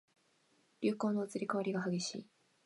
流行の移り変わりが激しい